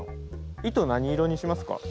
糸何色にしますか？